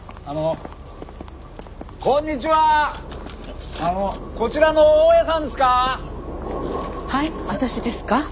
あのこちらの大家さんですか？